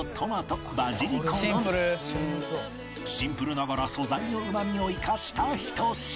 シンプルながら素材のうまみを生かしたひと品